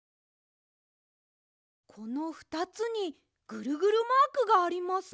このふたつにぐるぐるマークがありますね。